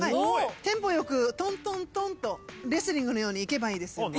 テンポよくトントントンとレスリングのようにいけばいいです。